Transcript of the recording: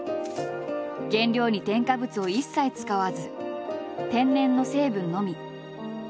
原料に添加物を一切使わず天然の成分のみ。